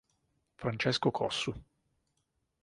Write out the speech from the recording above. Francesco Cossu